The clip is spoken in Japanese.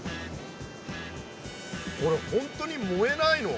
これ本当に燃えないの？